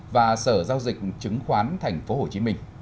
và sở giao dịch chứng khoán tp hcm